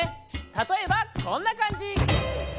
たとえばこんなかんじ！